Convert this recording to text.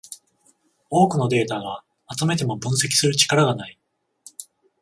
多くのデータが集めても分析する力がない